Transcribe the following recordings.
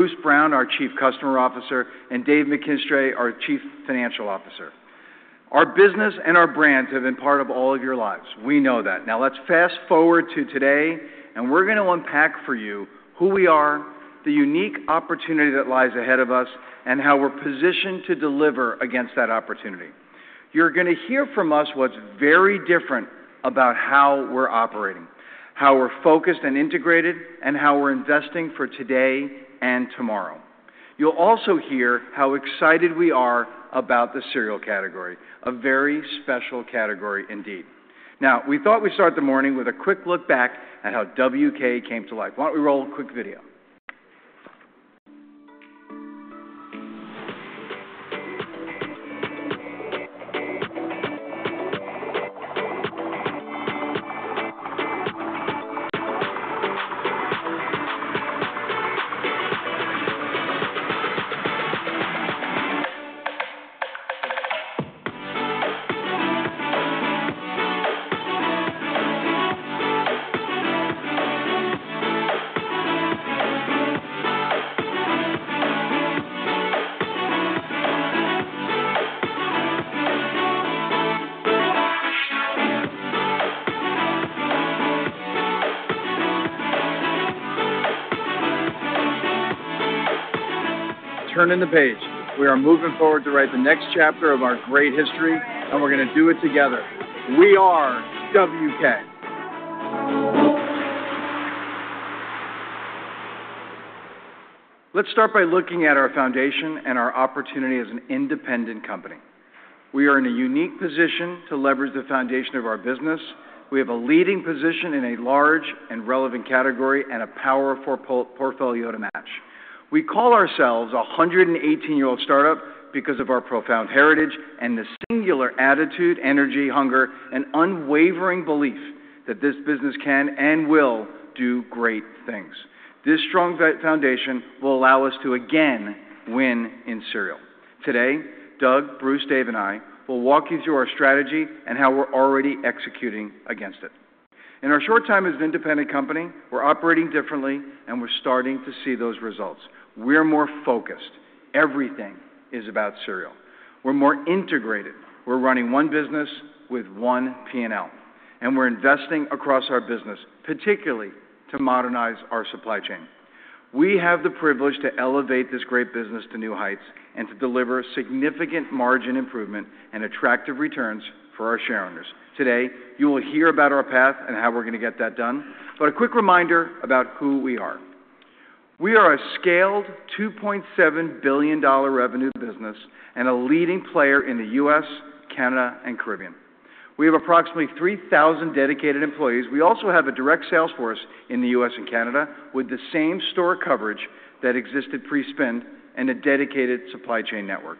Bruce Brown, our Chief Customer Officer, and Dave McKinstray, our Chief Financial Officer. Our business and our brand have been part of all of your lives. We know that. Now, let's fast forward to today, and we're gonna unpack for you who we are, the unique opportunity that lies ahead of us, and how we're positioned to deliver against that opportunity. You're gonna hear from us what's very different about how we're operating, how we're focused and integrated, and how we're investing for today and tomorrow. You'll also hear how excited we are about the cereal category, a very special category indeed. Now, we thought we'd start the morning with a quick look back at how WK came to life. Why don't we roll a quick video? Turning the page, we are moving forward to write the next chapter of our great history, and we're gonna do it together. We are WK! Let's start by looking at our foundation and our opportunity as an independent company. We are in a unique position to leverage the foundation of our business. We have a leading position in a large and relevant category and a powerful portfolio to match. We call ourselves a 118-year-old startup because of our profound heritage and the singular attitude, energy, hunger, and unwavering belief that this business can and will do great things. This strong foundation will allow us to again win in cereal. Today, Doug, Bruce, Dave, and I will walk you through our strategy and how we're already executing against it. In our short time as an independent company, we're operating differently, and we're starting to see those results. We're more focused. Everything is about cereal. We're more integrated. We're running one business with one P&L, and we're investing across our business, particularly to modernize our supply chain. We have the privilege to elevate this great business to new heights and to deliver significant margin improvement and attractive returns for our shareholders. Today, you will hear about our path and how we're gonna get that done, but a quick reminder about who we are. We are a scaled $2.7 billion revenue business and a leading player in the U.S., Canada, and Caribbean. We have approximately 3,000 dedicated employees. We also have a direct sales force in the U.S. and Canada with the same store coverage that existed pre-spin and a dedicated supply chain network.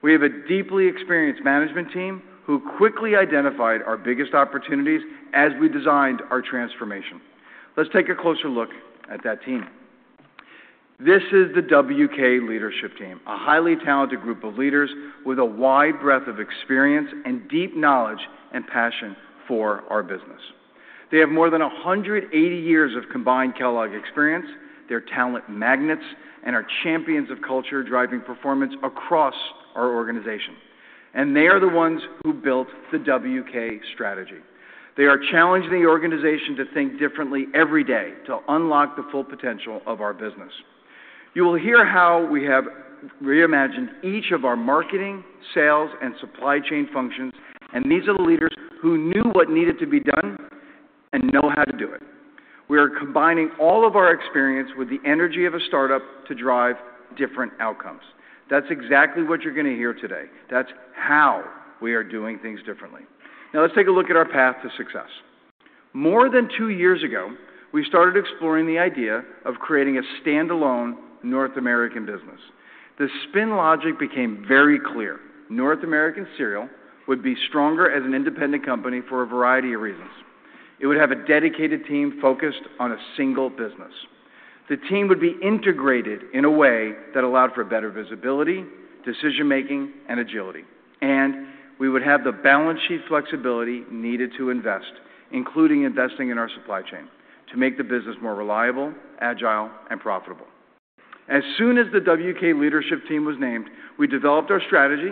We have a deeply experienced management team who quickly identified our biggest opportunities as we designed our transformation. Let's take a closer look at that team. This is the WK leadership team, a highly talented group of leaders with a wide breadth of experience and deep knowledge and passion for our business. They have more than 180 years of combined Kellogg experience, they're talent magnets, and are champions of culture, driving performance across our organization. They are the ones who built the WK strategy. They are challenging the organization to think differently every day to unlock the full potential of our business. You will hear how we have reimagined each of our marketing, sales, and supply chain functions, and these are the leaders who knew what needed to be done and know how to do it. We are combining all of our experience with the energy of a startup to drive different outcomes. That's exactly what you're gonna hear today. That's how we are doing things differently. Now, let's take a look at our path to success. More than two years ago, we started exploring the idea of creating a standalone North American business. The spin logic became very clear. North American Cereal would be stronger as an independent company for a variety of reasons. It would have a dedicated team focused on a single business. The team would be integrated in a way that allowed for better visibility, decision-making, and agility. We would have the balance sheet flexibility needed to invest, including investing in our supply chain, to make the business more reliable, agile, and profitable. As soon as the WK leadership team was named, we developed our strategy,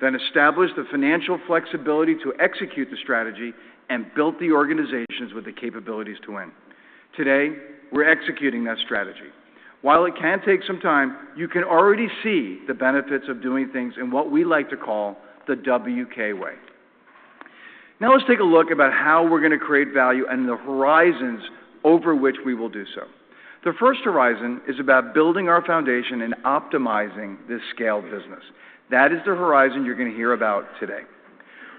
then established the financial flexibility to execute the strategy and built the organizations with the capabilities to win. Today, we're executing that strategy. While it can take some time, you can already see the benefits of doing things in what we like to call the WK Way. Now, let's take a look about how we're gonna create value and the horizons over which we will do so. The first horizon is about building our foundation and optimizing this scaled business. That is the horizon you're gonna hear about today.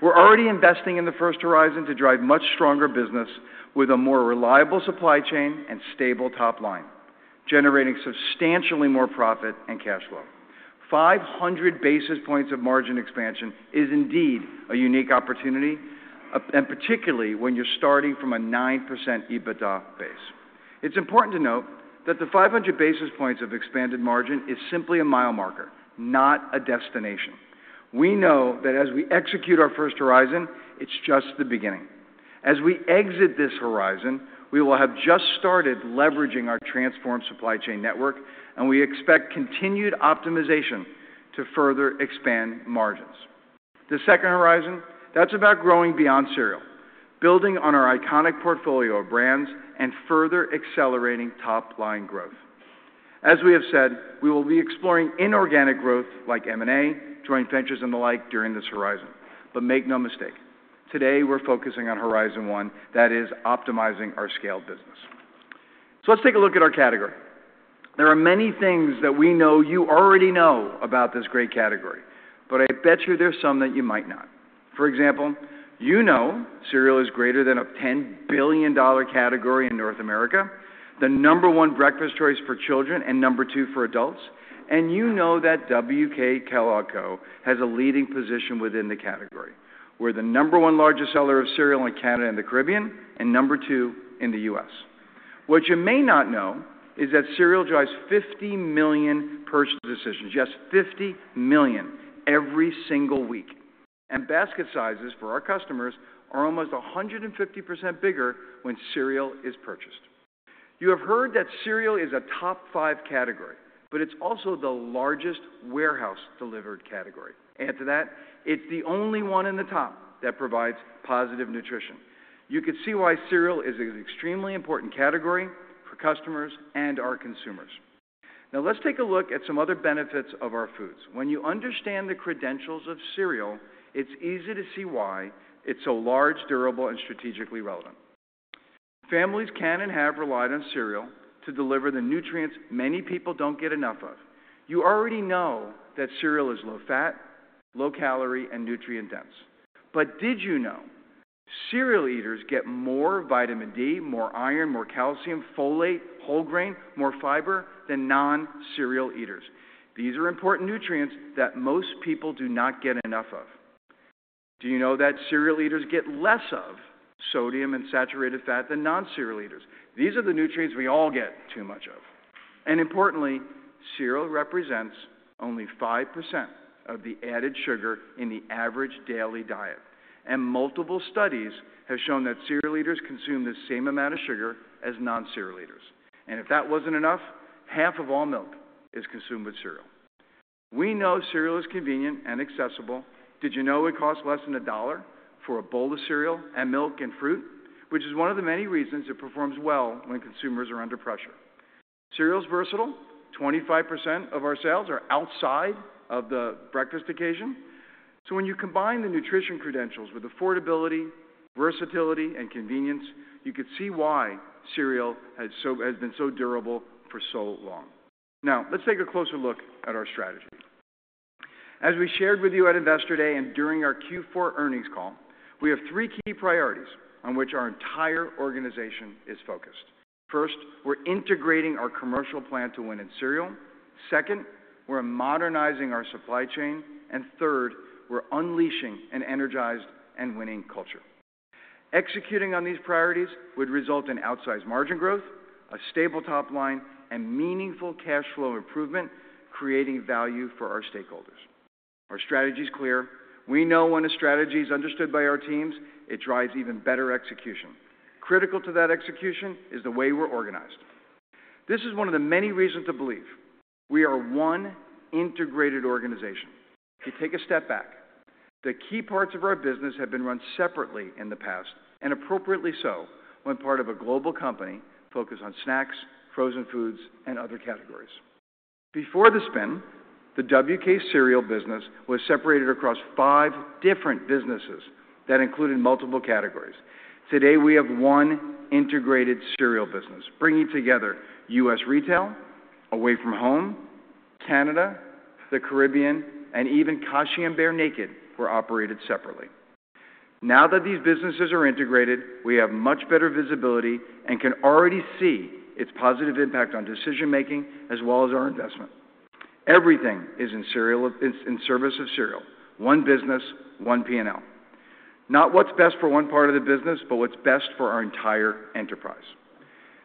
We're already investing in the first horizon to drive much stronger business with a more reliable supply chain and stable top line, generating substantially more profit and cash flow. 500 basis points of margin expansion is indeed a unique opportunity, and particularly when you're starting from a 9% EBITDA base. It's important to note that the 500 basis points of expanded margin is simply a mile marker, not a destination. We know that as we execute our first horizon, it's just the beginning... As we exit this horizon, we will have just started leveraging our transformed supply chain network, and we expect continued optimization to further expand margins. The second horizon, that's about growing beyond cereal, building on our iconic portfolio of brands, and further accelerating top-line growth. As we have said, we will be exploring inorganic growth like M&A, joint ventures, and the like during this horizon. But make no mistake, today we're focusing on horizon one, that is optimizing our scale business. So let's take a look at our category. There are many things that we know you already know about this great category, but I bet you there's some that you might not. For example, you know cereal is greater than a $10 billion category in North America, the number one breakfast choice for children and number two for adults, and you know that WK Kellogg Co. has a leading position within the category, where the number one largest seller of cereal in Canada and the Caribbean, and number two in the U.S. What you may not know is that cereal drives 50 million purchase decisions, yes, 50 million every single week, and basket sizes for our customers are almost 150% bigger when cereal is purchased. You have heard that cereal is a top five category, but it's also the largest warehouse-delivered category. Add to that, it's the only one in the top that provides positive nutrition. You could see why cereal is an extremely important category for customers and our consumers. Now, let's take a look at some other benefits of our foods. When you understand the credentials of cereal, it's easy to see why it's so large, durable, and strategically relevant. Families can and have relied on cereal to deliver the nutrients many people don't get enough of. You already know that cereal is low fat, low calorie, and nutrient-dense. But did you know cereal eaters get more vitamin D, more iron, more calcium, folate, whole grain, more fiber than non-cereal eaters? These are important nutrients that most people do not get enough of. Do you know that cereal eaters get less of sodium and saturated fat than non-cereal eaters? These are the nutrients we all get too much of. Importantly, cereal represents only 5% of the added sugar in the average daily diet, and multiple studies have shown that cereal eaters consume the same amount of sugar as non-cereal eaters. If that wasn't enough, half of all milk is consumed with cereal. We know cereal is convenient and accessible. Did you know it costs less than $1 for a bowl of cereal and milk and fruit? Which is one of the many reasons it performs well when consumers are under pressure. Cereal is versatile. 25% of our sales are outside of the breakfast occasion. So when you combine the nutrition credentials with affordability, versatility, and convenience, you could see why cereal has been so durable for so long. Now, let's take a closer look at our strategy. As we shared with you at Investor Day and during our Q4 earnings call, we have three key priorities on which our entire organization is focused. First, we're integrating our commercial plan to win in cereal. Second, we're modernizing our supply chain. And third, we're unleashing an energized and winning culture. Executing on these priorities would result in outsized margin growth, a stable top line, and meaningful cash flow improvement, creating value for our stakeholders. Our strategy is clear. We know when a strategy is understood by our teams, it drives even better execution. Critical to that execution is the way we're organized. This is one of the many reasons to believe we are one integrated organization. If you take a step back, the key parts of our business have been run separately in the past, and appropriately so, when part of a global company focused on snacks, frozen foods, and other categories. Before the spin, the WK cereal business was separated across five different businesses that included multiple categories. Today, we have one integrated cereal business, bringing together U.S. retail, away from home, Canada, the Caribbean, and even Kashi and Bear Naked were operated separately. Now that these businesses are integrated, we have much better visibility and can already see its positive impact on decision-making as well as our investment. Everything is in cereal... is in service of cereal. One business, one P&L. Not what's best for one part of the business, but what's best for our entire enterprise.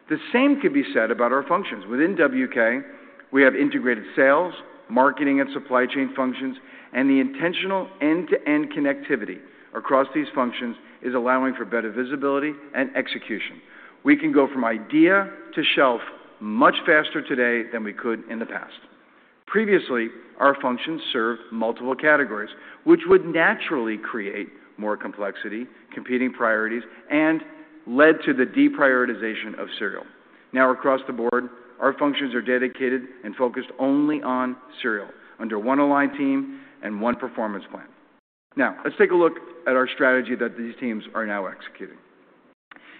The same could be said about our functions. Within WK, we have integrated sales, marketing, and supply chain functions, and the intentional end-to-end connectivity across these functions is allowing for better visibility and execution. We can go from idea to shelf much faster today than we could in the past. Previously, our functions served multiple categories, which would naturally create more complexity, competing priorities, and led to the deprioritization of cereal. Now, across the board, our functions are dedicated and focused only on cereal, under one aligned team and one performance plan. Now, let's take a look at our strategy that these teams are now executing.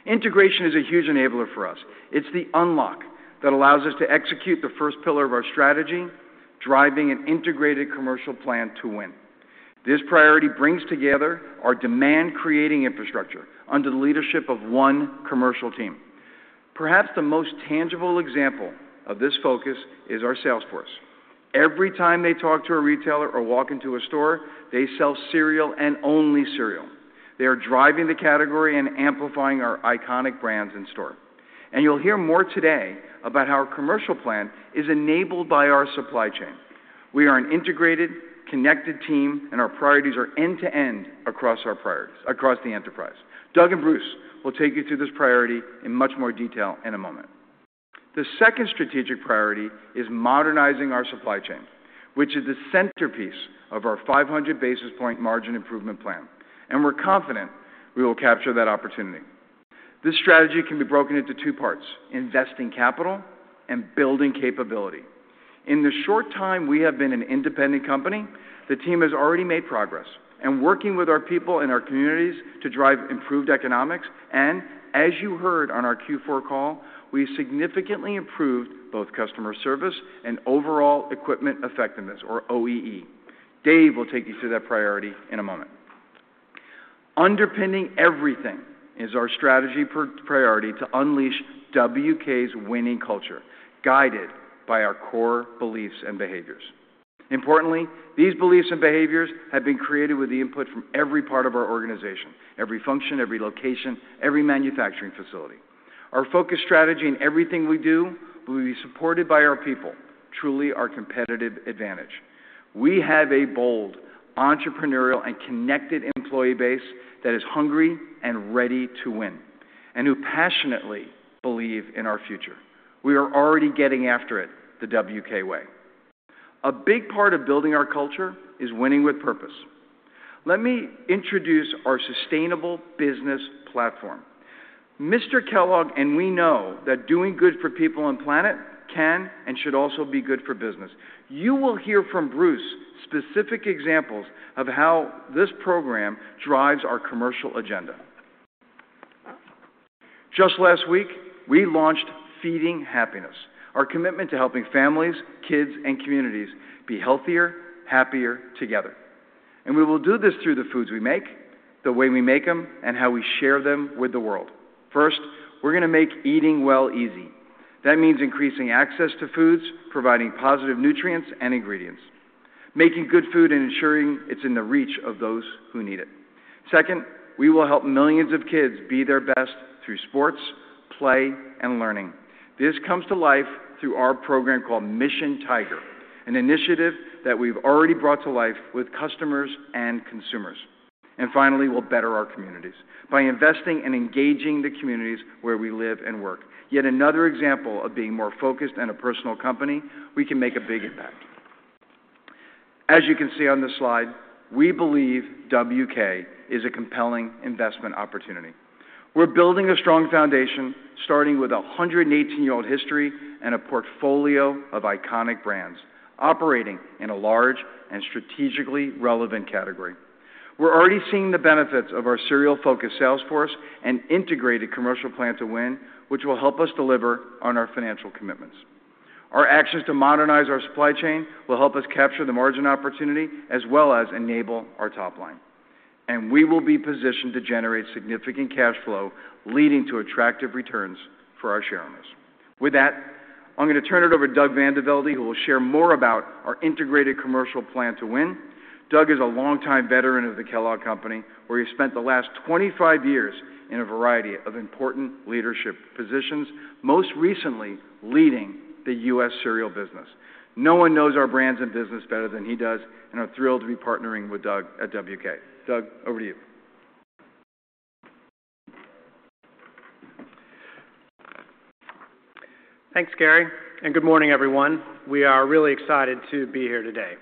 Integration is a huge enabler for us. It's the unlock that allows us to execute the first pillar of our strategy, driving an integrated commercial plan to win. This priority brings together our demand-creating infrastructure under the leadership of one commercial team. Perhaps the most tangible example of this focus is our sales force. Every time they talk to a retailer or walk into a store, they sell cereal and only cereal. They are driving the category and amplifying our iconic brands in store. You'll hear more today about how our commercial plan is enabled by our supply chain. We are an integrated, connected team, and our priorities are end-to-end across our priorities, across the enterprise. Doug and Bruce will take you through this priority in much more detail in a moment. The second strategic priority is modernizing our supply chain, which is the centerpiece of our 500 basis point margin improvement plan, and we're confident we will capture that opportunity. This strategy can be broken into two parts: investing capital and building capability. In the short time we have been an independent company, the team has already made progress and working with our people and our communities to drive improved economics, and as you heard on our Q4 call, we significantly improved both customer service and overall equipment effectiveness, or OEE. Dave will take you through that priority in a moment. Underpinning everything is our strategy for priority to unleash WK's winning culture, guided by our core beliefs and behaviors. Importantly, these beliefs and behaviors have been created with the input from every part of our organization, every function, every location, every manufacturing facility. Our focus strategy in everything we do will be supported by our people, truly our competitive advantage. We have a bold, entrepreneurial, and connected employee base that is hungry and ready to win, and who passionately believe in our future. We are already getting after it, the WK way. A big part of building our culture is winning with purpose. Let me introduce our sustainable business platform. Mr. Kellogg, and we know that doing good for people and planet can and should also be good for business. You will hear from Bruce specific examples of how this program drives our commercial agenda. Just last week, we launched Feeding Happiness, our commitment to helping families, kids, and communities be healthier, happier together, and we will do this through the foods we make, the way we make them, and how we share them with the world. First, we're gonna make eating well easy. That means increasing access to foods, providing positive nutrients and ingredients, making good food, and ensuring it's in the reach of those who need it. Second, we will help millions of kids be their best through sports, play, and learning. This comes to life through our program called Mission Tiger, an initiative that we've already brought to life with customers and consumers. And finally, we'll better our communities by investing and engaging the communities where we live and work. Yet another example of being more focused and a personal company, we can make a big impact. As you can see on this slide, we believe WK is a compelling investment opportunity. We're building a strong foundation, starting with a 118-year-old history and a portfolio of iconic brands operating in a large and strategically relevant category. We're already seeing the benefits of our cereal-focused sales force and integrated commercial plan to win, which will help us deliver on our financial commitments. Our actions to modernize our supply chain will help us capture the margin opportunity as well as enable our top line, and we will be positioned to generate significant cash flow, leading to attractive returns for our shareholders. With that, I'm gonna turn it over to Doug VanDeVelde, who will share more about our integrated commercial plan to win. Doug is a longtime veteran of the Kellogg Company, where he spent the last 25 years in a variety of important leadership positions, most recently leading the U.S. cereal business. No one knows our brands and business better than he does, and I'm thrilled to be partnering with Doug at WK. Doug, over to you. Thanks, Gary, and good morning, everyone. We are really excited to be here today.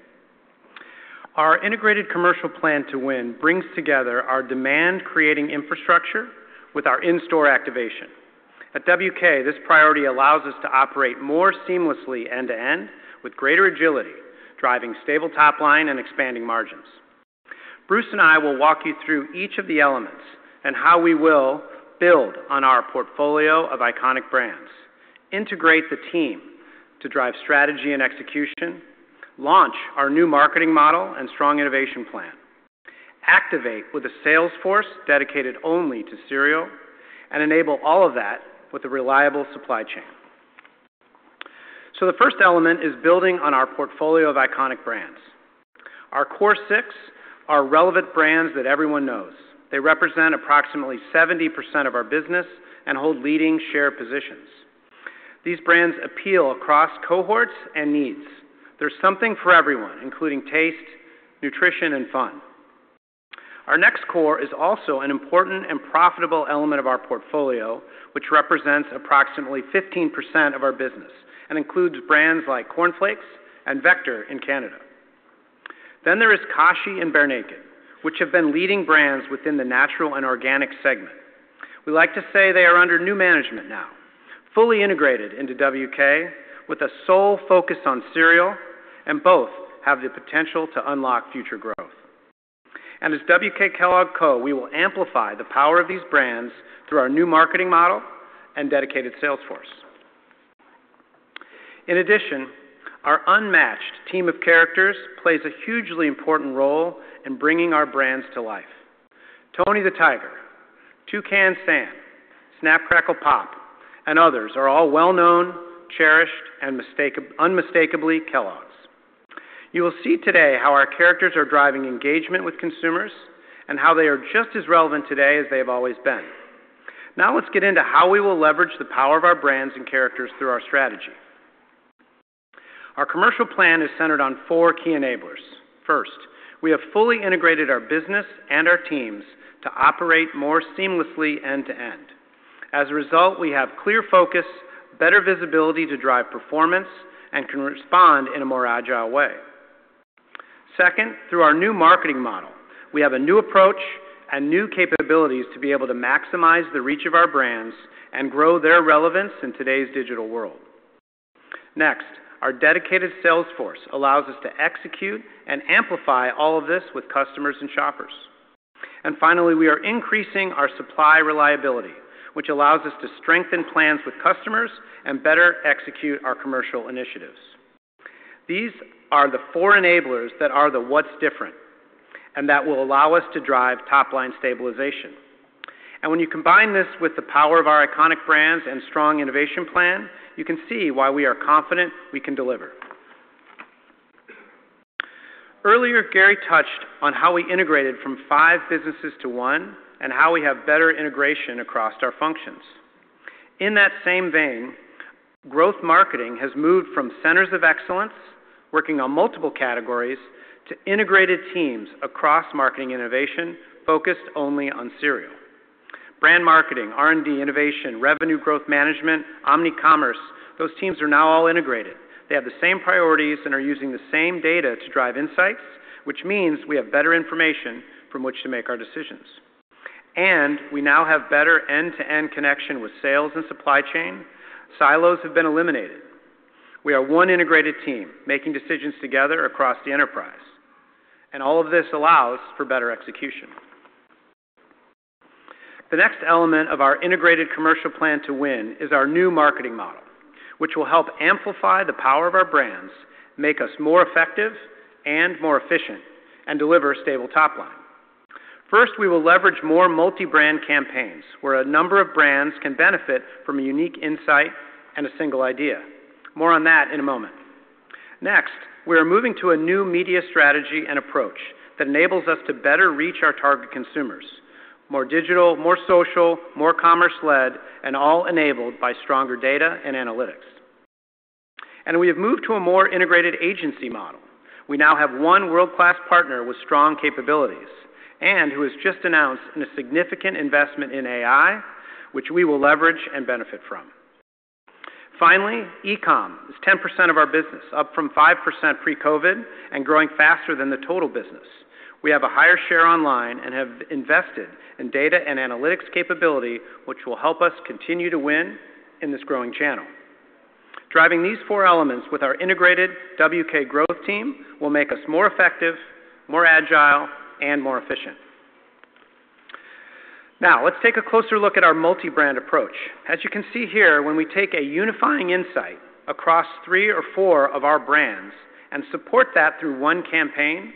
Our integrated commercial plan to win brings together our demand-creating infrastructure with our in-store activation. At WK, this priority allows us to operate more seamlessly end-to-end with greater agility, driving stable top line and expanding margins. Bruce and I will walk you through each of the elements and how we will build on our portfolio of iconic brands, integrate the team to drive strategy and execution, launch our new marketing model and strong innovation plan, activate with a sales force dedicated only to cereal, and enable all of that with a reliable supply chain. So the first element is building on our portfolio of iconic brands. Our core six are relevant brands that everyone knows. They represent approximately 70% of our business and hold leading share positions. These brands appeal across cohorts and needs. There's something for everyone, including taste, nutrition, and fun. Our next core is also an important and profitable element of our portfolio, which represents approximately 15% of our business and includes brands like Corn Flakes and Vector in Canada. Then there is Kashi and Bear Naked, which have been leading brands within the natural and organic segment. We like to say they are under new management now, fully integrated into WK with a sole focus on cereal, and both have the potential to unlock future growth. And as WK Kellogg Co, we will amplify the power of these brands through our new marketing model and dedicated sales force. In addition, our unmatched team of characters plays a hugely important role in bringing our brands to life. Tony the Tiger, Toucan Sam, Snap, Crackle, Pop, and others are all well-known, cherished, and unmistakably Kellogg's. You will see today how our characters are driving engagement with consumers and how they are just as relevant today as they have always been. Now let's get into how we will leverage the power of our brands and characters through our strategy. Our commercial plan is centered on four key enablers. First, we have fully integrated our business and our teams to operate more seamlessly end to end. As a result, we have clear focus, better visibility to drive performance, and can respond in a more agile way. Second, through our new marketing model, we have a new approach and new capabilities to be able to maximize the reach of our brands and grow their relevance in today's digital world. Next, our dedicated sales force allows us to execute and amplify all of this with customers and shoppers. Finally, we are increasing our supply reliability, which allows us to strengthen plans with customers and better execute our commercial initiatives. These are the four enablers that are the what's different, and that will allow us to drive top-line stabilization. When you combine this with the power of our iconic brands and strong innovation plan, you can see why we are confident we can deliver. Earlier, Gary touched on how we integrated from five businesses to one, and how we have better integration across our functions. In that same vein, growth marketing has moved from centers of excellence, working on multiple categories, to integrated teams across marketing innovation focused only on cereal. Brand marketing, R&D, innovation, revenue growth management, omni commerce, those teams are now all integrated. They have the same priorities and are using the same data to drive insights, which means we have better information from which to make our decisions. We now have better end-to-end connection with sales and supply chain. Silos have been eliminated. We are one integrated team, making decisions together across the enterprise, and all of this allows for better execution. The next element of our integrated commercial plan to win is our new marketing model, which will help amplify the power of our brands, make us more effective and more efficient, and deliver a stable top line. First, we will leverage more multi-brand campaigns, where a number of brands can benefit from a unique insight and a single idea. More on that in a moment. Next, we are moving to a new media strategy and approach that enables us to better reach our target consumers: more digital, more social, more commerce-led, and all enabled by stronger data and analytics. We have moved to a more integrated agency model. We now have one world-class partner with strong capabilities and who has just announced a significant investment in AI, which we will leverage and benefit from. Finally, e-com is 10% of our business, up from 5% pre-COVID, and growing faster than the total business. We have a higher share online and have invested in data and analytics capability, which will help us continue to win in this growing channel. Driving these four elements with our integrated WK growth team will make us more effective, more agile, and more efficient. Now, let's take a closer look at our multi-brand approach. As you can see here, when we take a unifying insight across three or four of our brands and support that through one campaign,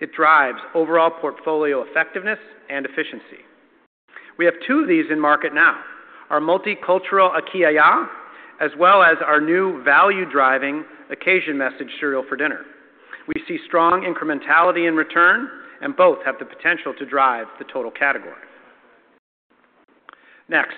it drives overall portfolio effectiveness and efficiency. We have two of these in market now, our multicultural Aqui Ya, as well as our new value-driving occasion message, Cereal for Dinner. We see strong incrementality in return, and both have the potential to drive the total category. Next,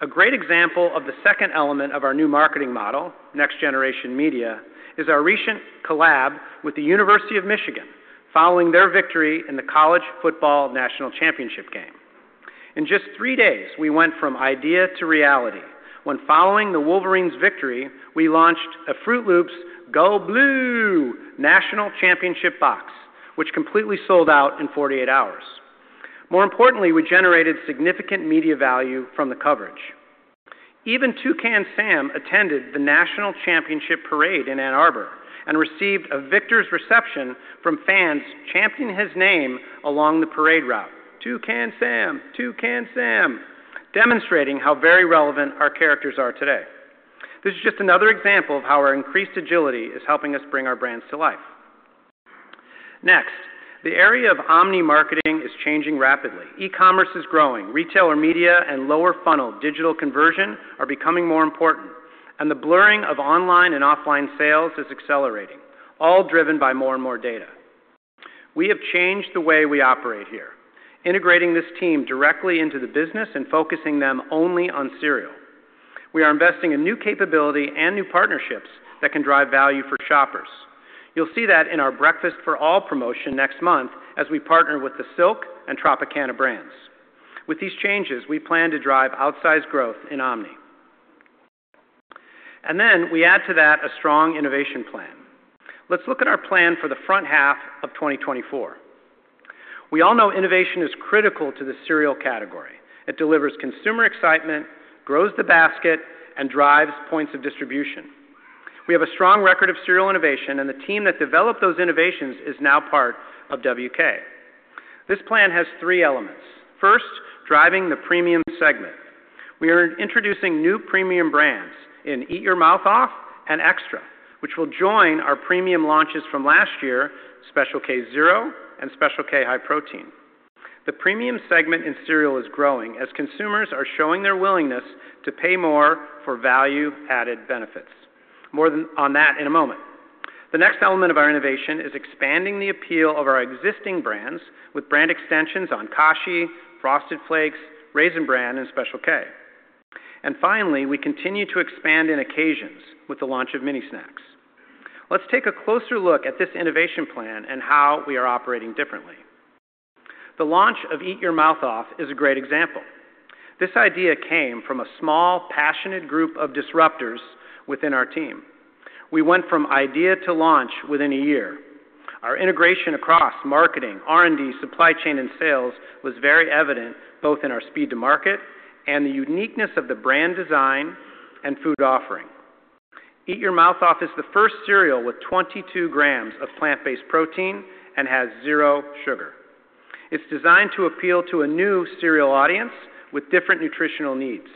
a great example of the second element of our new marketing model, next generation media, is our recent collab with the University of Michigan, following their victory in the College Football National Championship game. In just three days, we went from idea to reality when, following the Wolverines' victory, we launched a Froot Loops Go Blue National Championship box, which completely sold out in 48 hours. More importantly, we generated significant media value from the coverage. Even Toucan Sam attended the National Championship parade in Ann Arbor and received a victor's reception from fans chanting his name along the parade route. "Toucan Sam! Toucan Sam!" Demonstrating how very relevant our characters are today. This is just another example of how our increased agility is helping us bring our brands to life. Next, the area of omni marketing is changing rapidly. E-commerce is growing, retailer media and lower funnel digital conversion are becoming more important, and the blurring of online and offline sales is accelerating, all driven by more and more data. We have changed the way we operate here, integrating this team directly into the business and focusing them only on cereal. We are investing in new capability and new partnerships that can drive value for shoppers. You'll see that in our Breakfast For All promotion next month as we partner with the Silk and Tropicana brands. With these changes, we plan to drive outsized growth in omni. Then we add to that a strong innovation plan. Let's look at our plan for the front half of 2024. We all know innovation is critical to the cereal category. It delivers consumer excitement, grows the basket, and drives points of distribution. We have a strong record of cereal innovation, and the team that developed those innovations is now part of WK. This plan has three elements. First, driving the premium segment. We are introducing new premium brands in Eat Your Mouth Off and Extra, which will join our premium launches from last year, Special K Zero and Special K High Protein. The premium segment in cereal is growing as consumers are showing their willingness to pay more for value-added benefits. More on that in a moment. The next element of our innovation is expanding the appeal of our existing brands with brand extensions on Kashi, Frosted Flakes, Raisin Bran, and Special K. And finally, we continue to expand in occasions with the launch of Mini Snacks. Let's take a closer look at this innovation plan and how we are operating differently. The launch of Eat Your Mouth Off is a great example. This idea came from a small, passionate group of disruptors within our team. We went from idea to launch within a year. Our integration across marketing, R&D, supply chain, and sales was very evident, both in our speed to market and the uniqueness of the brand design and food offering. Eat Your Mouth Off is the first cereal with 22 grams of plant-based protein and has 0 sugar. It's designed to appeal to a new cereal audience with different nutritional needs,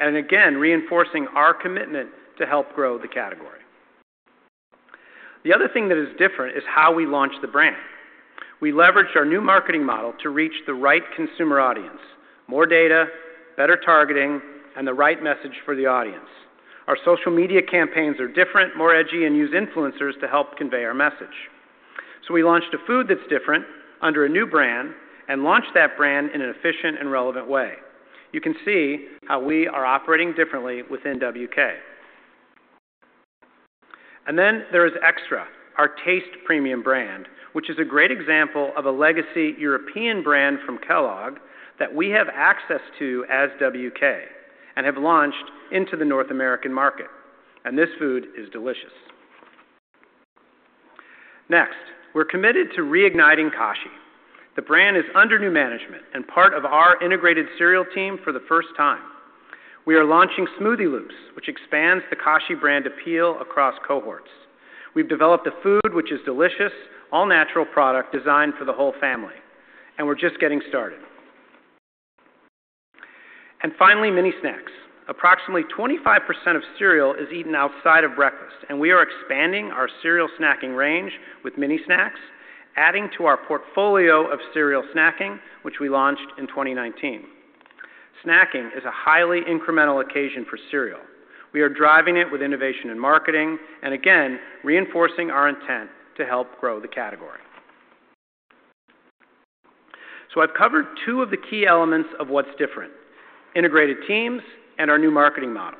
and again, reinforcing our commitment to help grow the category. The other thing that is different is how we launched the brand. We leveraged our new marketing model to reach the right consumer audience, more data, better targeting, and the right message for the audience. Our social media campaigns are different, more edgy, and use influencers to help convey our message. So we launched a food that's different under a new brand and launched that brand in an efficient and relevant way. You can see how we are operating differently within WK. And then there is Extra, our taste premium brand, which is a great example of a legacy European brand from Kellogg that we have access to as WK and have launched into the North American market, and this food is delicious. Next, we're committed to reigniting Kashi. The brand is under new management and part of our integrated cereal team for the first time. We are launching Smoothie Loops, which expands the Kashi brand appeal across cohorts. We've developed a food which is delicious, all-natural product designed for the whole family, and we're just getting started. And finally, Mini Snacks. Approximately 25% of cereal is eaten outside of breakfast, and we are expanding our cereal snacking range with Mini Snacks, adding to our portfolio of cereal snacking, which we launched in 2019. Snacking is a highly incremental occasion for cereal. We are driving it with innovation in marketing and again, reinforcing our intent to help grow the category. So I've covered two of the key elements of what's different, integrated teams and our new marketing model.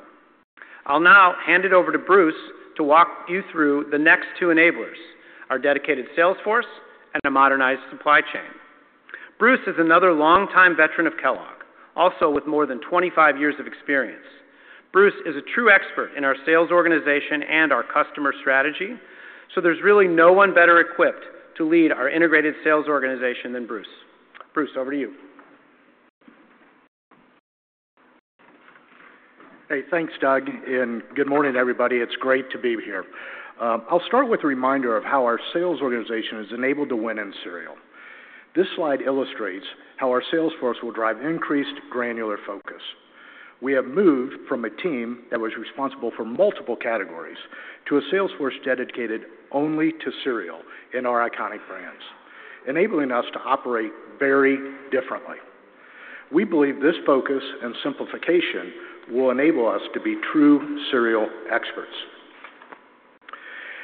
I'll now hand it over to Bruce to walk you through the next two enablers, our dedicated sales force and a modernized supply chain. Bruce is another longtime veteran of Kellogg, also with more than 25 years of experience. Bruce is a true expert in our sales organization and our customer strategy, so there's really no one better equipped to lead our integrated sales organization than Bruce. Bruce, over to you. Hey, thanks, Doug, and good morning, everybody. It's great to be here. I'll start with a reminder of how our sales organization has enabled to win in cereal. This slide illustrates how our sales force will drive increased granular focus. We have moved from a team that was responsible for multiple categories to a sales force dedicated only to cereal and our iconic brands, enabling us to operate very differently. We believe this focus and simplification will enable us to be true cereal experts.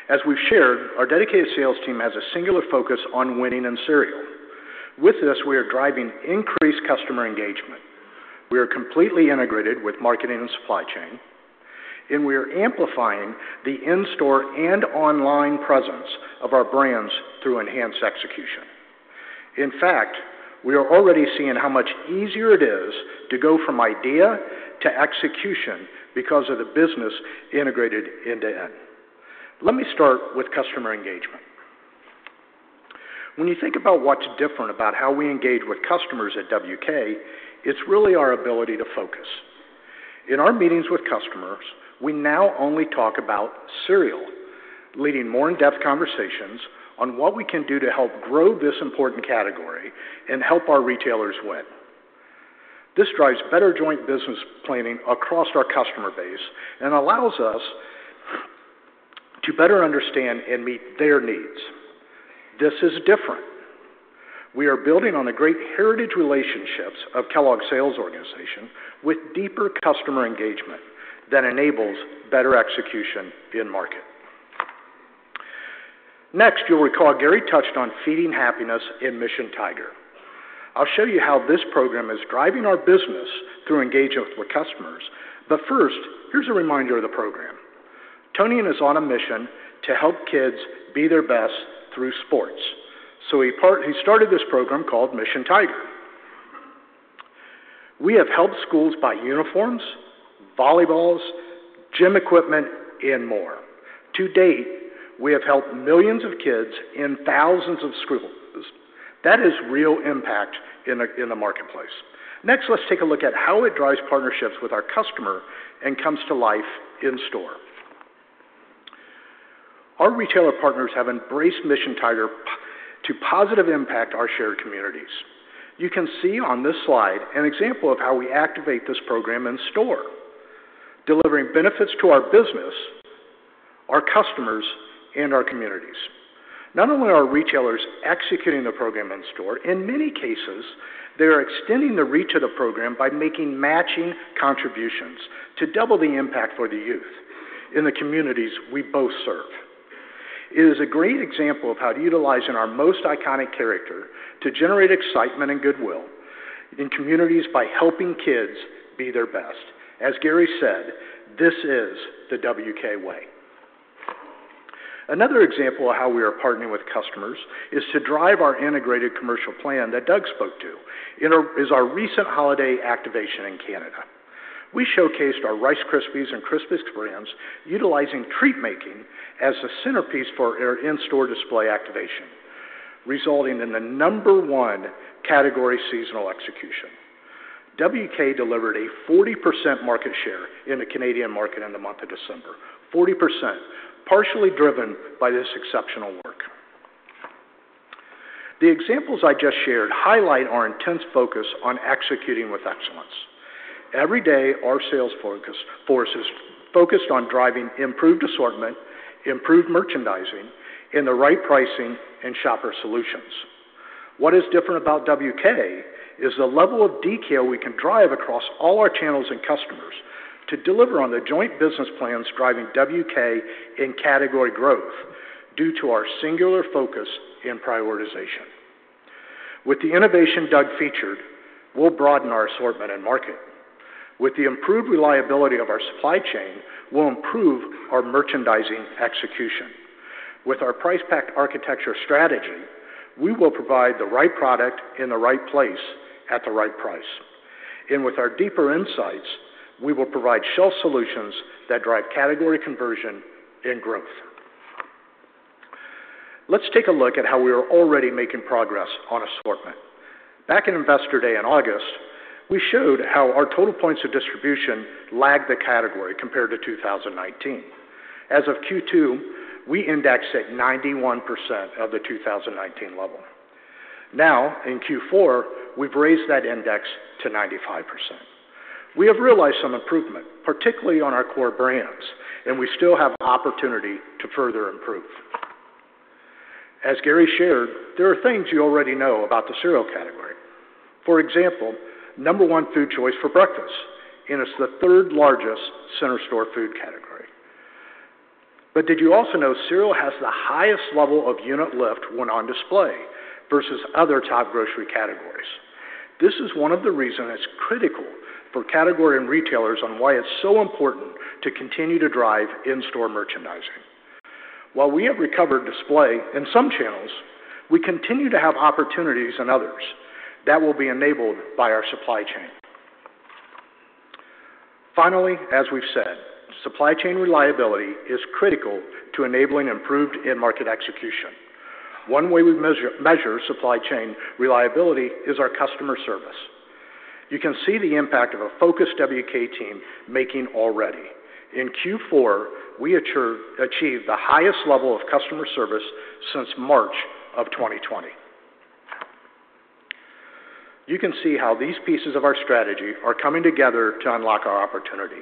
As we've shared, our dedicated sales team has a singular focus on winning in cereal. With this, we are driving increased customer engagement. We are completely integrated with marketing and supply chain, and we are amplifying the in-store and online presence of our brands through enhanced execution. In fact, we are already seeing how much easier it is to go from idea to execution because of the business integrated end-to-end. Let me start with customer engagement. When you think about what's different about how we engage with customers at WK, it's really our ability to focus. In our meetings with customers, we now only talk about cereal, leading more in-depth conversations on what we can do to help grow this important category and help our retailers win. This drives better joint business planning across our customer base and allows us to better understand and meet their needs. This is different. We are building on the great heritage relationships of Kellogg sales organization with deeper customer engagement that enables better execution in market. Next, you'll recall Gary touched on Feeding Happiness in Mission Tiger. I'll show you how this program is driving our business through engagement with customers. But first, here's a reminder of the program. Tony is on a mission to help kids be their best through sports. He started this program called Mission Tiger. We have helped schools buy uniforms, volleyballs, gym equipment, and more. To date, we have helped millions of kids in thousands of schools. That is real impact in the marketplace. Next, let's take a look at how it drives partnerships with our customer and comes to life in store. Our retailer partners have embraced Mission Tiger to positively impact our shared communities. You can see on this slide an example of how we activate this program in store, delivering benefits to our business, our customers, and our communities. Not only are retailers executing the program in store, in many cases, they are extending the reach of the program by making matching contributions to double the impact for the youth in the communities we both serve. It is a great example of how to utilize our most iconic character to generate excitement and goodwill in communities by helping kids be their best. As Gary said, "This is the WK way." Another example of how we are partnering with customers is to drive our integrated commercial plan that Doug spoke to, in our recent holiday activation in Canada. We showcased our Rice Krispies and Krispies brands, utilizing treat making as the centerpiece for our in-store display activation, resulting in the number one category seasonal execution. WK delivered a 40% market share in the Canadian market in the month of December. 40%, partially driven by this exceptional work. The examples I just shared highlight our intense focus on executing with excellence. Every day, our sales force is focused on driving improved assortment, improved merchandising, and the right pricing and shopper solutions. What is different about WK is the level of detail we can drive across all our channels and customers to deliver on the joint business plans driving WK in category growth due to our singular focus and prioritization. With the innovation Doug featured, we'll broaden our assortment and market. With the improved reliability of our supply chain, we'll improve our merchandising execution. With our price pack architecture strategy, we will provide the right product in the right place at the right price. And with our deeper insights, we will provide shelf solutions that drive category conversion and growth. Let's take a look at how we are already making progress on assortment. Back in Investor Day in August, we showed how our total points of distribution lagged the category compared to 2019. As of Q2, we indexed at 91% of the 2019 level. Now, in Q4, we've raised that index to 95%. We have realized some improvement, particularly on our core brands, and we still have opportunity to further improve. As Gary shared, there are things you already know about the cereal category. For example, number one food choice for breakfast, and it's the third largest center store food category. But did you also know cereal has the highest level of unit lift when on display versus other top grocery categories? This is one of the reasons it's critical for category and retailers on why it's so important to continue to drive in-store merchandising. While we have recovered display in some channels, we continue to have opportunities in others that will be enabled by our supply chain. Finally, as we've said, supply chain reliability is critical to enabling improved in-market execution. One way we measure supply chain reliability is our customer service. You can see the impact of a focused WK team making already. In Q4, we achieved the highest level of customer service since March of 2020. You can see how these pieces of our strategy are coming together to unlock our opportunity.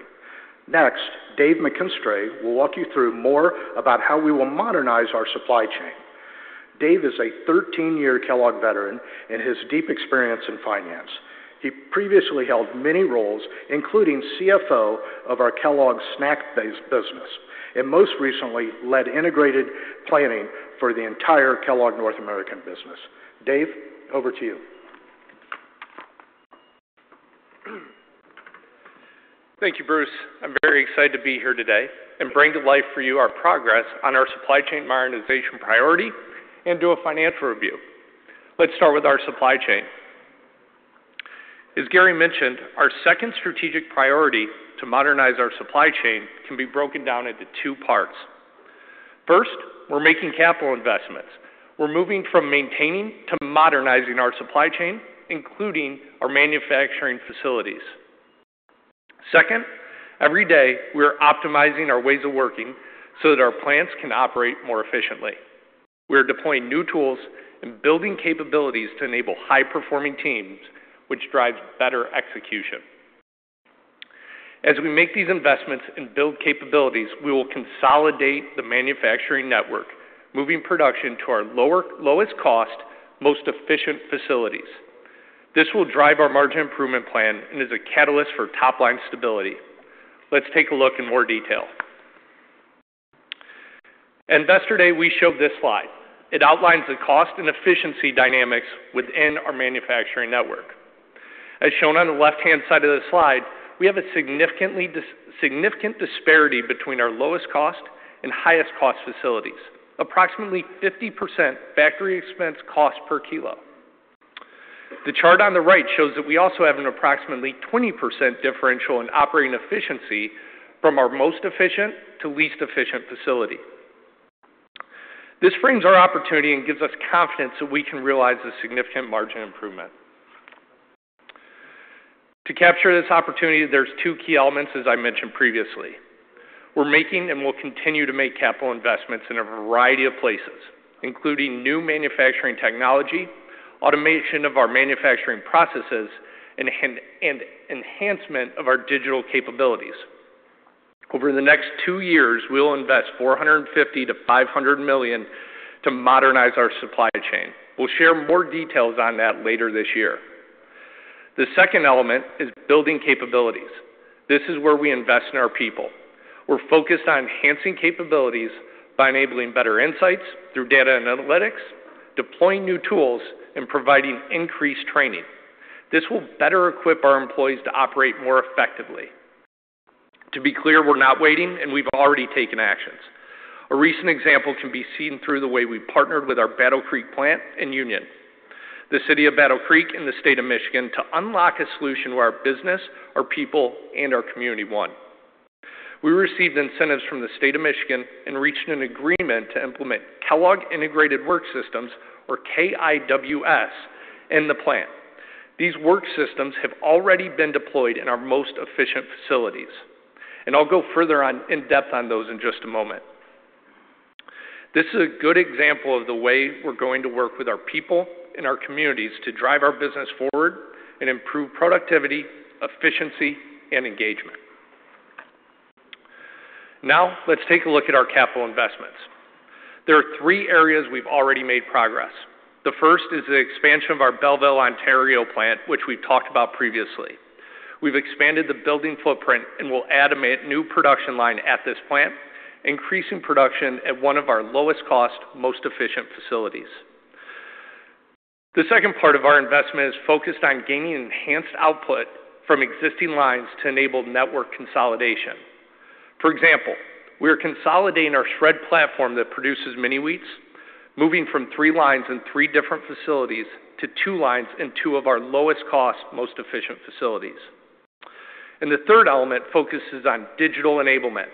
Next, Dave McKinstray will walk you through more about how we will modernize our supply chain. Dave is a 13-year Kellogg veteran and has deep experience in finance. He previously held many roles, including CFO of our Kellogg's snack-based business, and most recently, led integrated planning for the entire Kellogg North American business. Dave, over to you. Thank you, Bruce. I'm very excited to be here today and bring to life for you our progress on our supply chain modernization priority and do a financial review. Let's start with our supply chain. As Gary mentioned, our second strategic priority to modernize our supply chain can be broken down into two parts. First, we're making capital investments. We're moving from maintaining to modernizing our supply chain, including our manufacturing facilities. Second, every day, we are optimizing our ways of working so that our plants can operate more efficiently. We are deploying new tools and building capabilities to enable high-performing teams, which drives better execution. As we make these investments and build capabilities, we will consolidate the manufacturing network, moving production to our lowest cost, most efficient facilities. This will drive our margin improvement plan and is a catalyst for top-line stability. Let's take a look in more detail. Investor Day, we showed this slide. It outlines the cost and efficiency dynamics within our manufacturing network. As shown on the left-hand side of the slide, we have a significant disparity between our lowest cost and highest cost facilities, approximately 50% factory expense cost per kilo. The chart on the right shows that we also have an approximately 20% differential in operating efficiency from our most efficient to least efficient facility. This brings our opportunity and gives us confidence that we can realize a significant margin improvement. To capture this opportunity, there's two key elements, as I mentioned previously. We're making and will continue to make capital investments in a variety of places, including new manufacturing technology, automation of our manufacturing processes, and enhancement of our digital capabilities. Over the next two years, we'll invest $450 million-$500 million to modernize our supply chain. We'll share more details on that later this year. The second element is building capabilities. This is where we invest in our people. We're focused on enhancing capabilities by enabling better insights through data and analytics, deploying new tools, and providing increased training. This will better equip our employees to operate more effectively. To be clear, we're not waiting, and we've already taken actions. A recent example can be seen through the way we partnered with our Battle Creek plant and union, the city of Battle Creek, and the state of Michigan, to unlock a solution where our business, our people, and our community won. We received incentives from the state of Michigan and reached an agreement to implement Kellogg Integrated Work Systems, or KIWS, in the plant. These work systems have already been deployed in our most efficient facilities, and I'll go further on, in depth on those in just a moment. This is a good example of the way we're going to work with our people and our communities to drive our business forward and improve productivity, efficiency, and engagement. Now, let's take a look at our capital investments. There are three areas we've already made progress. The first is the expansion of our Belleville, Ontario plant, which we've talked about previously. We've expanded the building footprint and will add a new production line at this plant, increasing production at one of our lowest cost, most efficient facilities. The second part of our investment is focused on gaining enhanced output from existing lines to enable network consolidation. For example, we are consolidating our shred platform that produces Mini-Wheats, moving from three lines in three different facilities to two lines in two of our lowest cost, most efficient facilities. The third element focuses on digital enablement.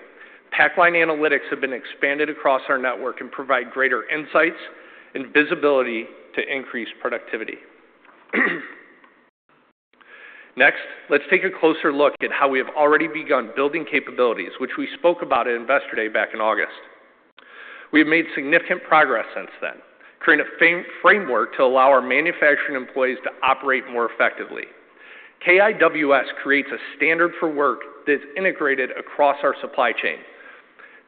Pack line analytics have been expanded across our network and provide greater insights and visibility to increase productivity. Next, let's take a closer look at how we have already begun building capabilities, which we spoke about at Investor Day back in August. We've made significant progress since then, creating a framework to allow our manufacturing employees to operate more effectively. KIWS creates a standard for work that's integrated across our supply chain.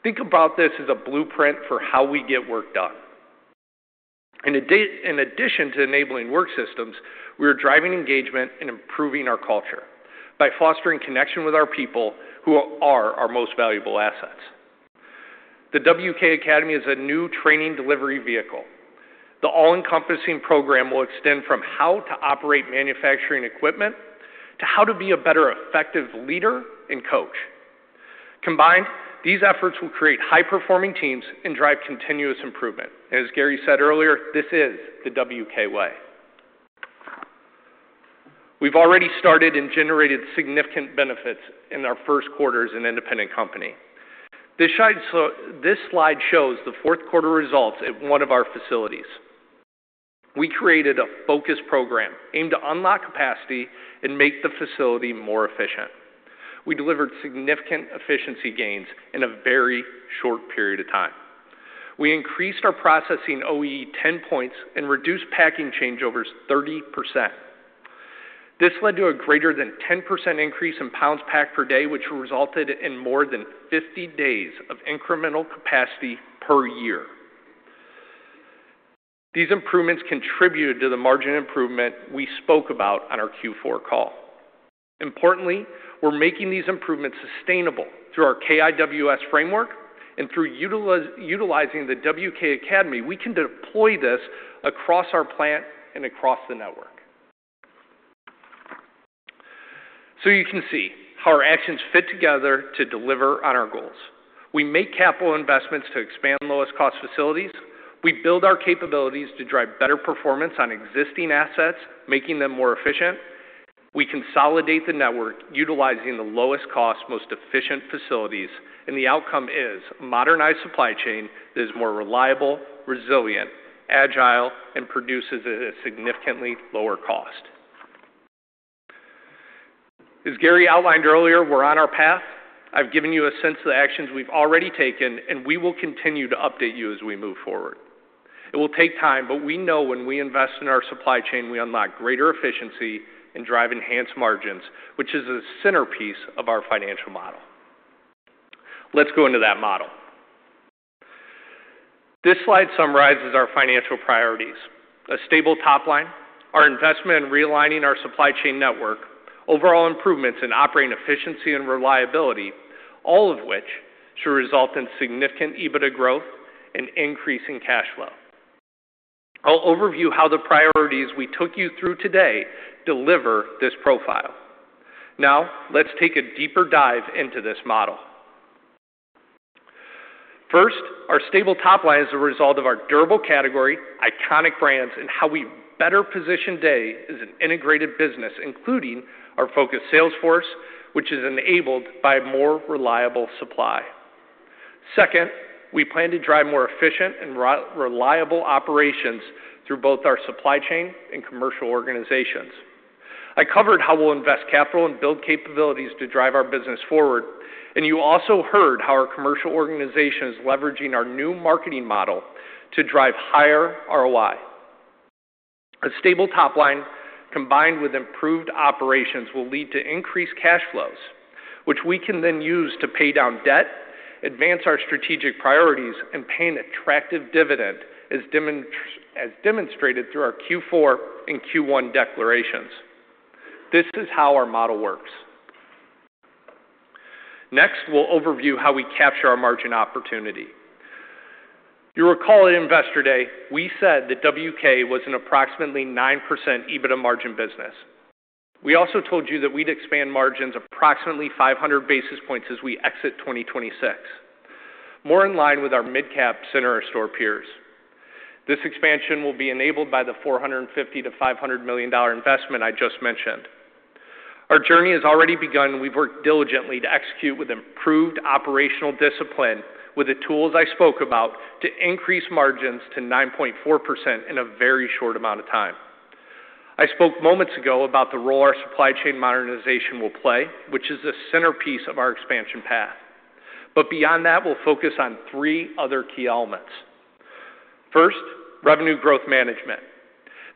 Think about this as a blueprint for how we get work done. In addition to enabling work systems, we are driving engagement and improving our culture by fostering connection with our people, who are our most valuable assets. The WK Academy is a new training delivery vehicle. The all-encompassing program will extend from how to operate manufacturing equipment to how to be a better effective leader and coach. Combined, these efforts will create high-performing teams and drive continuous improvement, and as Gary said earlier, this is the WK way. We've already started and generated significant benefits in our first quarter as an independent company. This slide shows the fourth quarter results at one of our facilities. We created a focused program aimed to unlock capacity and make the facility more efficient. We delivered significant efficiency gains in a very short period of time. We increased our processing OEE 10 points and reduced packing changeovers 30%. This led to a greater than 10% increase in pounds packed per day, which resulted in more than 50 days of incremental capacity per year. These improvements contributed to the margin improvement we spoke about on our Q4 call. Importantly, we're making these improvements sustainable through our KIWS framework and through utilizing the WK Academy, we can deploy this across our plant and across the network. So you can see how our actions fit together to deliver on our goals. We make capital investments to expand lowest-cost facilities. We build our capabilities to drive better performance on existing assets, making them more efficient. We consolidate the network, utilizing the lowest cost, most efficient facilities, and the outcome is a modernized supply chain that is more reliable, resilient, agile, and produces at a significantly lower cost. As Gary outlined earlier, we're on our path. I've given you a sense of the actions we've already taken, and we will continue to update you as we move forward. It will take time, but we know when we invest in our supply chain, we unlock greater efficiency and drive enhanced margins, which is a centerpiece of our financial model. Let's go into that model. This slide summarizes our financial priorities, a stable top line, our investment in realigning our supply chain network, overall improvements in operating efficiency and reliability, all of which should result in significant EBITDA growth and increase in cash flow. I'll overview how the priorities we took you through today deliver this profile. Now, let's take a deeper dive into this model. First, our stable top line is a result of our durable category, iconic brands, and how we better position today as an integrated business, including our focused sales force, which is enabled by more reliable supply. Second, we plan to drive more efficient and reliable operations through both our supply chain and commercial organizations. I covered how we'll invest capital and build capabilities to drive our business forward, and you also heard how our commercial organization is leveraging our new marketing model to drive higher ROI. A stable top line, combined with improved operations, will lead to increased cash flows, which we can then use to pay down debt, advance our strategic priorities, and pay an attractive dividend, as demonstrated through our Q4 and Q1 declarations. This is how our model works. Next, we'll overview how we capture our margin opportunity. You'll recall at Investor Day, we said that WK was an approximately 9% EBITDA margin business. We also told you that we'd expand margins approximately 500 basis points as we exit 2026, more in line with our mid-cap center store peers. This expansion will be enabled by the $450 million-$500 million investment I just mentioned. Our journey has already begun. We've worked diligently to execute with improved operational discipline with the tools I spoke about to increase margins to 9.4% in a very short amount of time. I spoke moments ago about the role our supply chain modernization will play, which is the centerpiece of our expansion path. But beyond that, we'll focus on three other key elements. First, revenue growth management.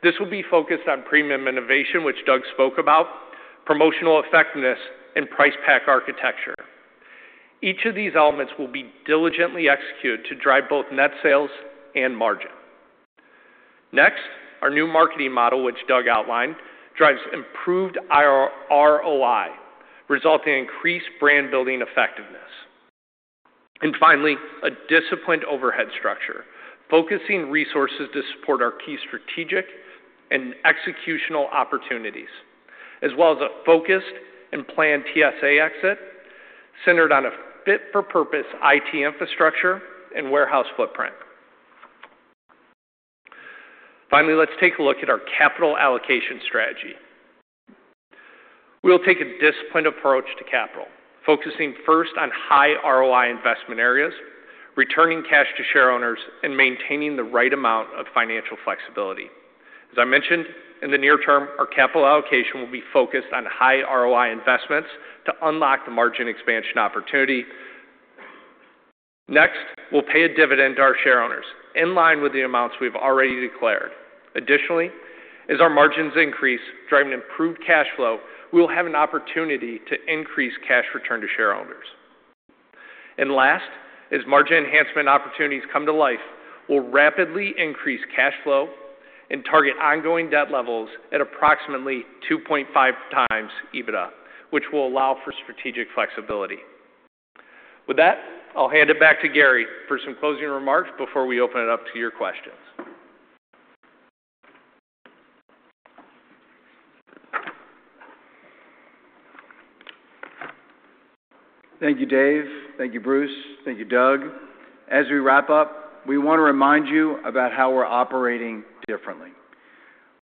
This will be focused on premium innovation, which Doug spoke about, promotional effectiveness, and price pack architecture. Each of these elements will be diligently executed to drive both net sales and margin. Next, our new marketing model, which Doug outlined, drives improved ROI, resulting in increased brand building effectiveness. And finally, a disciplined overhead structure, focusing resources to support our key strategic and executional opportunities, as well as a focused and planned TSA exit, centered on a fit-for-purpose IT infrastructure and warehouse footprint. Finally, let's take a look at our capital allocation strategy. We'll take a disciplined approach to capital, focusing first on high ROI investment areas, returning cash to shareowners, and maintaining the right amount of financial flexibility. As I mentioned, in the near term, our capital allocation will be focused on high ROI investments to unlock the margin expansion opportunity. Next, we'll pay a dividend to our shareowners in line with the amounts we've already declared. Additionally, as our margins increase, driving improved cash flow, we will have an opportunity to increase cash return to shareowners. Last, as margin enhancement opportunities come to life, we'll rapidly increase cash flow and target ongoing debt levels at approximately 2.5 times EBITDA, which will allow for strategic flexibility. With that, I'll hand it back to Gary for some closing remarks before we open it up to your questions. Thank you, Dave. Thank you, Bruce. Thank you, Doug. As we wrap up, we want to remind you about how we're operating differently.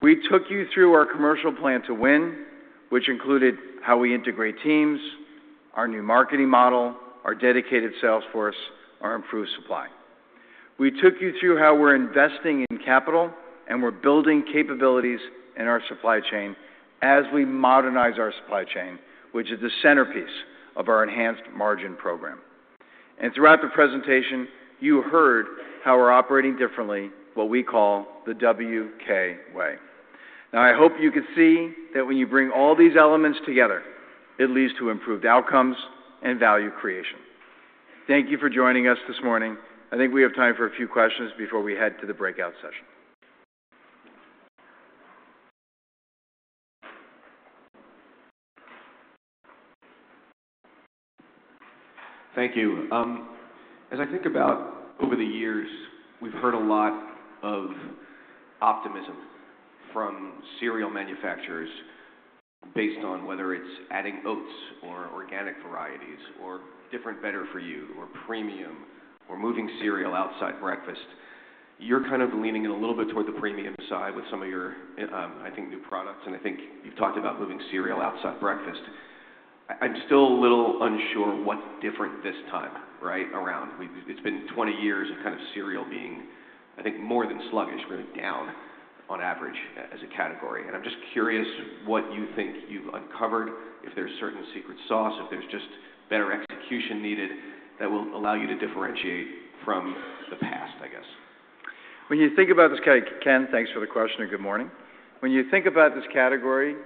We took you through our commercial plan to win, which included how we integrate teams, our new marketing model, our dedicated sales force, our improved supply. We took you through how we're investing in capital, and we're building capabilities in our supply chain as we modernize our supply chain, which is the centerpiece of our enhanced margin program. Throughout the presentation, you heard how we're operating differently, what we call the WK way. Now, I hope you can see that when you bring all these elements together, it leads to improved outcomes and value creation. Thank you for joining us this morning. I think we have time for a few questions before we head to the breakout session. Thank you. As I think about over the years, we've heard a lot of optimism from cereal manufacturers based on whether it's adding oats or organic varieties or different better for you, or premium, or moving cereal outside breakfast. You're kind of leaning in a little bit toward the premium side with some of your, I think, new products, and I think you've talked about moving cereal outside breakfast. I'm still a little unsure what's different this time, right, around... It's been 20 years of kind of cereal being, I think, more than sluggish, really down on average as a category. I'm just curious what you think you've uncovered, if there's a certain secret sauce, if there's just better execution needed that will allow you to differentiate from the past, I guess. When you think about this, Ken, Ken, thanks for the question, and good morning. When you think about this category,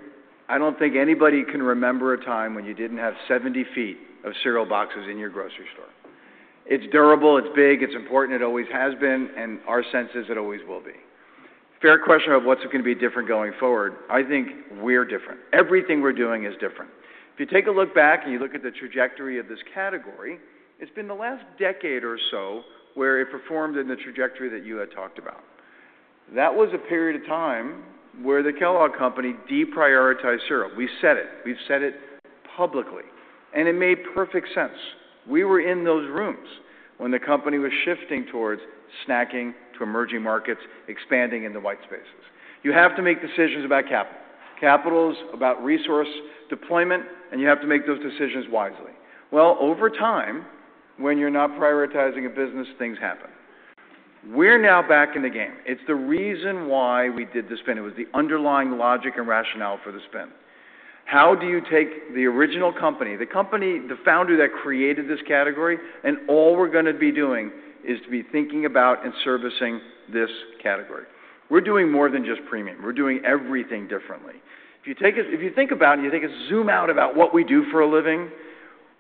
I don't think anybody can remember a time when you didn't have 70 feet of cereal boxes in your grocery store. It's durable, it's big, it's important, it always has been, and our sense is it always will be. Fair question of what's it gonna be different going forward? I think we're different. Everything we're doing is different. If you take a look back and you look at the trajectory of this category, it's been the last decade or so where it performed in the trajectory that you had talked about. That was a period of time where the Kellogg Company deprioritized cereal. We said it. We've said it publicly, and it made perfect sense. We were in those rooms when the company was shifting towards snacking, to emerging markets, expanding in the white spaces. You have to make decisions about capital. Capital is about resource deployment, and you have to make those decisions wisely. Well, over time, when you're not prioritizing a business, things happen. We're now back in the game. It's the reason why we did the spin. It was the underlying logic and rationale for the spin... How do you take the original company, the company, the founder that created this category, and all we're gonna be doing is to be thinking about and servicing this category? We're doing more than just premium. We're doing everything differently. If you take it, if you think about it, and you take a zoom out about what we do for a living,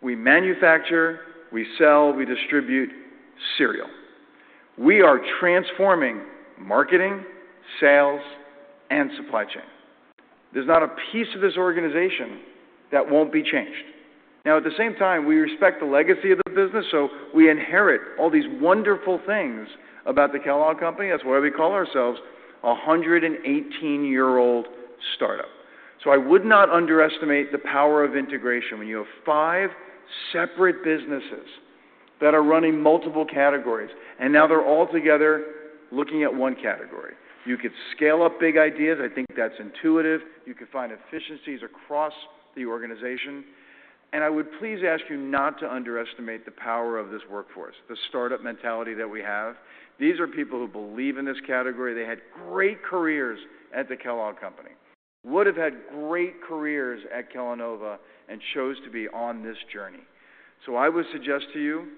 we manufacture, we sell, we distribute cereal. We are transforming marketing, sales, and supply chain. There's not a piece of this organization that won't be changed. Now, at the same time, we respect the legacy of the business, so we inherit all these wonderful things about the Kellogg Company. That's why we call ourselves a 118-year-old startup. So I would not underestimate the power of integration when you have five separate businesses that are running multiple categories, and now they're all together looking at one category. You could scale up big ideas. I think that's intuitive. You could find efficiencies across the organization, and I would please ask you not to underestimate the power of this workforce, the startup mentality that we have. These are people who believe in this category. They had great careers at the Kellogg Company, would have had great careers at Kellanova, and chose to be on this journey. I would suggest to you,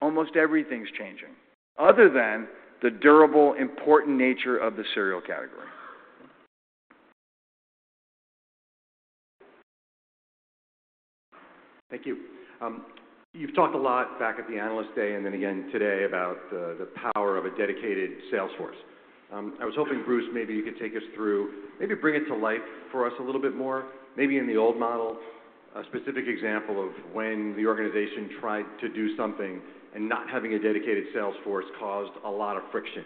almost everything's changing, other than the durable, important nature of the cereal category. Thank you. You've talked a lot back at the Analyst Day and then again today about the, the power of a dedicated sales force. I was hoping, Bruce, maybe you could take us through... Maybe bring it to life for us a little bit more. Maybe in the old model, a specific example of when the organization tried to do something and not having a dedicated sales force caused a lot of friction.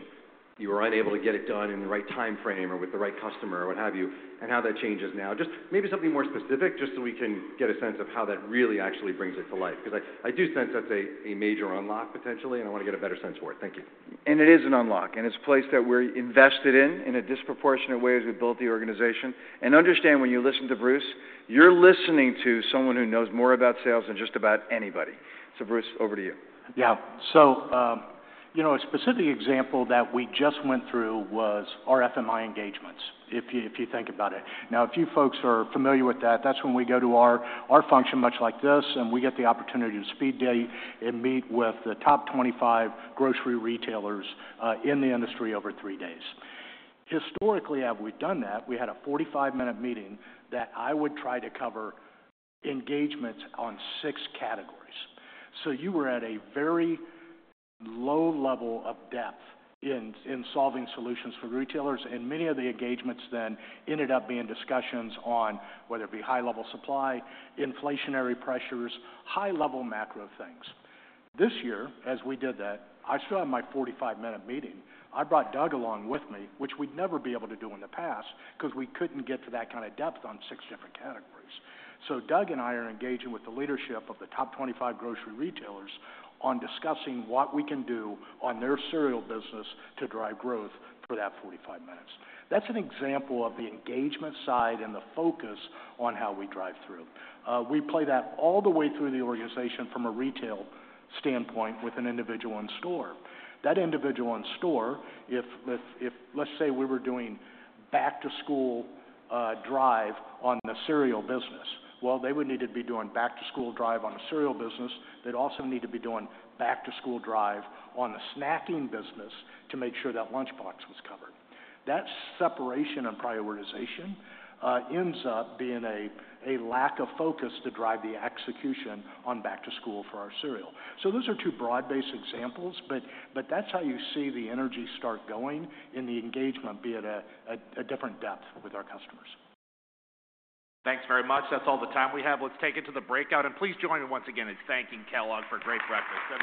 You were unable to get it done in the right timeframe or with the right customer or what have you, and how that changes now. Just maybe something more specific, just so we can get a sense of how that really actually brings it to life. 'Cause I, I do sense that's a, a major unlock, potentially, and I wanna get a better sense for it. Thank you. It is an unlock, and it's a place that we're invested in in a disproportionate way as we built the organization. Understand, when you listen to Bruce, you're listening to someone who knows more about sales than just about anybody. So Bruce, over to you. Yeah. So, you know, a specific example that we just went through was our FMI engagements, if you think about it. Now, a few folks are familiar with that. That's when we go to our function, much like this, and we get the opportunity to speed date and meet with the top 25 grocery retailers in the industry over three days. Historically, as we've done that, we had a 45-minute meeting that I would try to cover engagements on six categories. So you were at a very low level of depth in solving solutions for retailers, and many of the engagements then ended up being discussions on whether it be high-level supply, inflationary pressures, high-level macro things. This year, as we did that, I still had my 45-minute meeting. I brought Doug along with me, which we'd never be able to do in the past, 'cause we couldn't get to that kind of depth on six different categories. So Doug and I are engaging with the leadership of the top 25 grocery retailers on discussing what we can do on their cereal business to drive growth for that 45 minutes. That's an example of the engagement side and the focus on how we drive through. We play that all the way through the organization from a retail standpoint with an individual in store. That individual in store, if... Let's say we were doing back to school drive on the cereal business, well, they would need to be doing back to school drive on the cereal business. They'd also need to be doing back to school drive on the snacking business to make sure that lunchbox was covered. That separation and prioritization ends up being a lack of focus to drive the execution on back to school for our cereal. So those are two broad-based examples, but that's how you see the energy start going and the engagement be at a different depth with our customers. Thanks very much. That's all the time we have. Let's take it to the breakout, and please join me once again in thanking Kellogg for a great breakfast.